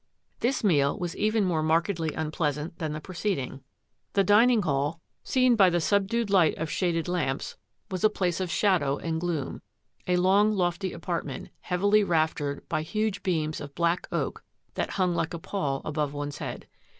This meal was even more markedly unpleasant than the preceding. The dining hall, seen by the MR. ROBERT SYLVESTER 41 subdued light of shaded lamps, was a place of shadow and gloom, a long, lofty apartment, heavily raftered by huge beams of black oak that hung like a pall above one's head.